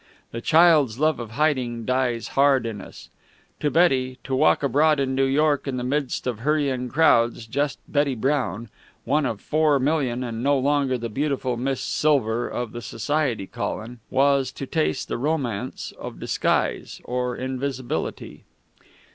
The child's love of hiding dies hard in us. To Betty, to walk abroad in New York in the midst of hurrying crowds, just Betty Brown one of four million and no longer the beautiful Miss Silver of the society column, was to taste the romance of disguise, or invisibility.